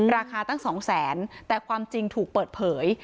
ราคาตั้งสองแสนแต่ความจริงถูกเปิดเผย